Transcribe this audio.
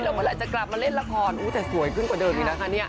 แล้วเวลาจะกลับมาเล่นละครอู้วแต่สวยกว่าเดิมอีกนะคะ